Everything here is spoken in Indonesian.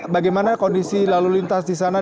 bagaimana kondisi lalu lintas di sana